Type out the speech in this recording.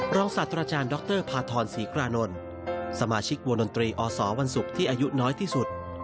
ศาสตราจารย์ดรพาทรศรีกรานนท์สมาชิกวงดนตรีอสวันศุกร์ที่อายุน้อยที่สุด